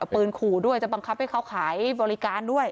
เอาปืนขู่ด้วยจะบังคับให้เขาขายบริการด้วย